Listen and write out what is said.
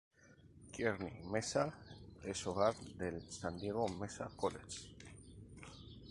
Kearny Mesa es hogar del San Diego Mesa College.